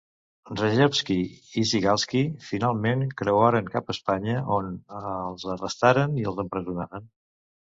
Rejewski i Zygalski finalment creuaren cap a Espanya, on els arrestaren i els empresonaren.